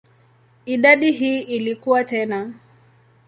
Idadi hii ilikua tena.